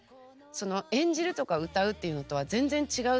その演じるとか歌うっていうのとは全然違う。